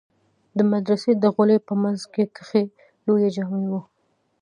د مدرسې د غولي په منځ کښې لويه جامع وه.